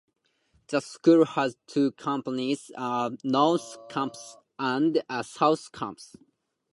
The school has two campuses, a North Campus and a South Campus.